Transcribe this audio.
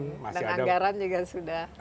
dan anggaran juga sudah